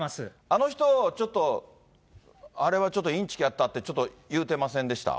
あの人、ちょっと、あれはちょっといんちきやったって、ちょっと言うてませんでした？